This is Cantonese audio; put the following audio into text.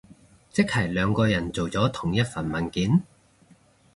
即係兩個人做咗同一份文件？